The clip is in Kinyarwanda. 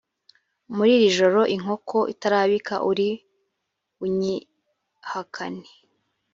muri iri joro inkoko itarabika uri bunyihakane